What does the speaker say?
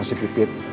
gak ada si pipit